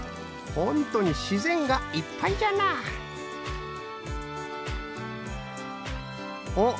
ほんとに自然がいっぱいじゃなおっ？